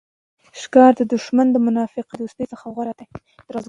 ښکاره دوښمن د منافق له دوستۍ څخه غوره دئ!